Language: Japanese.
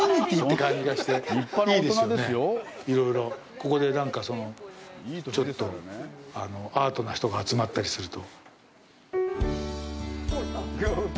ここでちょっとアートな人が集まったりすると。